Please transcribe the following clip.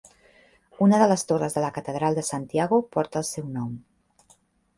Una de les torres de la catedral de Santiago, porta el seu nom.